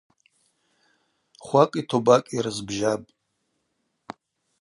Хвакӏи тобакӏи рызбжьапӏ.